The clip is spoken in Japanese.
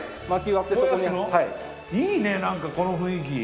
いいねなんかこの雰囲気。